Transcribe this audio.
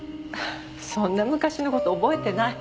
そんな昔の事覚えてない。